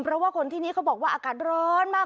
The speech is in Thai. เพราะว่าคนที่นี่เขาบอกว่าอากาศร้อนมาก